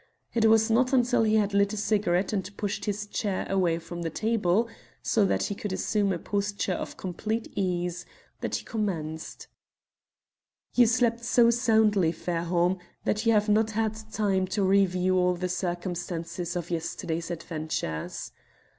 It was not until he had lit a cigarette and pushed his chair away from the table, so that he could assume a posture of complete ease, that he commenced "You slept so soundly, Fairholme, that you have not had time to review all the circumstances of yesterday's adventures.